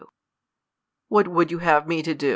What would you have me do